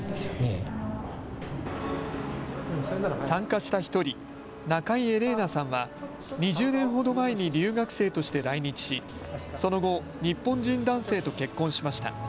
参加した１人、中井エレーナさんは２０年ほど前に留学生として来日し、その後、日本人男性と結婚しました。